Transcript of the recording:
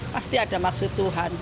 pasti ada maksud tuhan